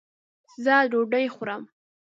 ځه ډوډي خورم